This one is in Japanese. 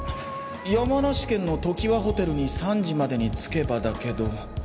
山梨県の時和ホテルに３時までに着けばだけど。